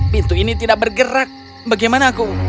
pintu ini tidak bergerak bagaimana aku